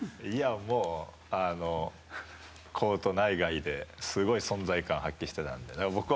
もうコート内外ですごい存在感を発揮してたんで。